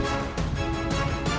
comparisons ceritanya pak paman